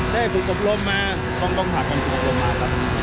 ได้ผู้กับรมมาต้องต้องหากันผู้กับรมมาครับ